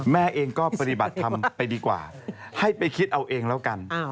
แม่เองก็ปฏิบัติธรรมไปดีกว่าให้ไปคิดเอาเองแล้วกัน